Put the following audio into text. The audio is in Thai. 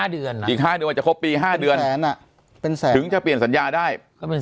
เดือนอีก๕เดือนจะครบปี๕เดือนถึงจะเปลี่ยนสัญญาได้ก็เป็น